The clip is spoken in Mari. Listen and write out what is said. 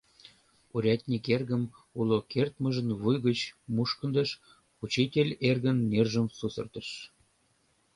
Урядник эргым уло кертмыжын вуй гыч мушкындыш, учитель эргын нержым сусыртыш.